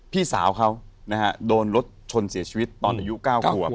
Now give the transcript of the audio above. พี่สาวเขานะฮะโดนรถชนเสียชีวิตตอนอายุ๙ขวบ